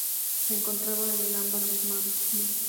Se encontraba en el Ámbar Birmano.